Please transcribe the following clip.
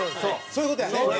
そういう事やね。